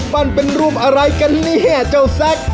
ปั้นเป็นรูปอะไรกันเนี่ยเจ้าแซค